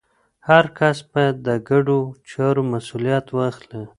هر کس باید د ګډو چارو مسوولیت واخلي.